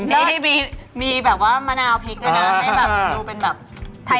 นี่มีแบบว่ามะนาวพริกด้วยนะให้แบบดูเป็นแบบไทย